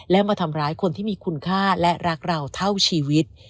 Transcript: และมาทำร้ายคนที่มีคุณค่าและรักเราเท่าชีวิต